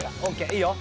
いいよ。